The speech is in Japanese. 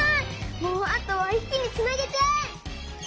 もうあとは一気につなげちゃえ！